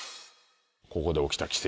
ここで起きた奇跡。